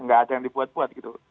nggak ada yang dibuat buat gitu